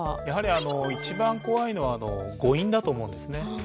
やはり一番怖いのは誤飲だと思うんですね。